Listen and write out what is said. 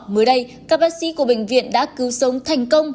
mới đây các bác sĩ của bệnh viện đã cứu sống thành công